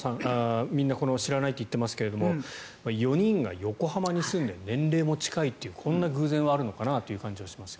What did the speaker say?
みんな知らないと言ってますが４人が横浜に住んで年齢も近いというこんな偶然はあるのかなという感じはしますが。